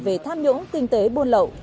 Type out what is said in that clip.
về tham nhũng tinh tế buôn lậu